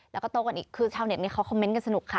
แล้วก็โต้กันอีกคือชาวเน็ตนี้เขาคอมเมนต์กันสนุกค่ะ